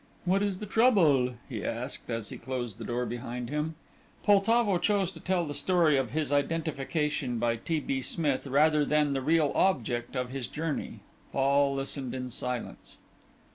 "What is the trouble?" he asked, as he closed the door behind him. Poltavo chose to tell the story of his identification by T. B. Smith rather than the real object of his journey. Fall listened in silence.